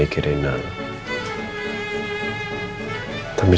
saya ceritain satu satu